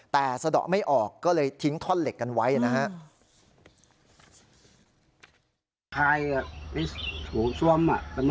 แต่สะดอกไม่ออกก็เลยทิ้งท่อนเหล็กกันไว้นะฮะ